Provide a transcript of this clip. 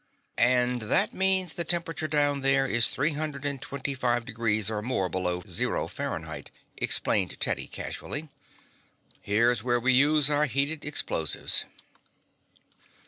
"And that means the temperature down there is three hundred and twenty five degrees or more below zero Fahrenheit," explained Teddy casually. "Here's where we use our heated explosives."